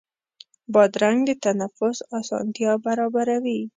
بادرنګ د تنفس اسانتیا برابروي.